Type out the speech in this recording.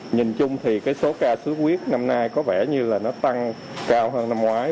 nhìn chung thì số ca sốt huyết năm nay có vẻ như là nó tăng cao hơn năm ngoái